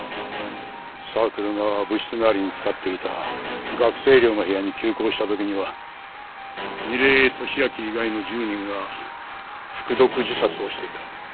サークルが部室代わりに使っていた学生寮の部屋に急行した時には楡井敏秋以外の１０人が服毒自殺をしていた。